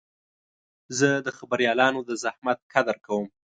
زه د خبریالانو د زحمت قدر کوم.